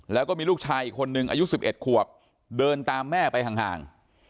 แล้วก็มีลูกชายอีกคนนึงอายุ๑๑ขวบเดินตามแม่ไปห่าง